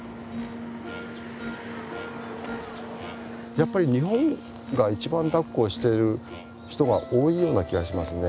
やっぱり日本が一番だっこしてる人が多いような気がしますね。